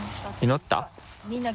祈った？